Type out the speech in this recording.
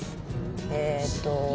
えっと。